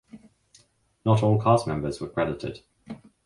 Not all cast members were credited.